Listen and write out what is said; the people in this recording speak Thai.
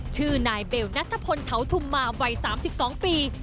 ชื่อนายเบลนัทพลเถาธุมมาวัย๓๒ปี